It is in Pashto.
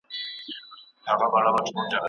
دوی یې یوازې افسانه بولي د دیو او پري